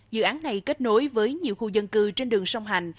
dự án này kết nối với nhiều khu dân cư trên đường sông hành